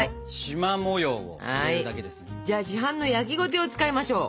じゃあ市販の焼ゴテを使いましょう。